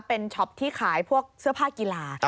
เป็นช็อปที่ขายพวกเสื้อผ้ากีฬา